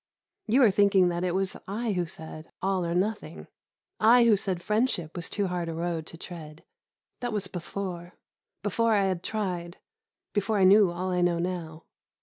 You are thinking that it was I who said, "All or nothing," I who said friendship was too hard a road to tread. That was before before I had tried; before I knew all I know now.